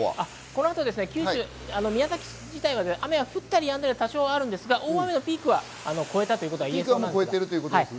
この後、九州、宮崎自体は雨が降ったりやんだり多少ありますが、大雨のピークは越えたと言えそうです。